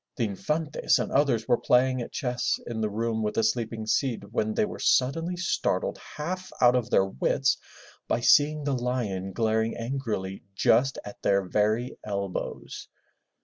The Infantes and others were playing at chess in the room with the sleeping Cid when they were suddenly startled half out of their wits by seeing the lion glaring angrily just at their very elbows.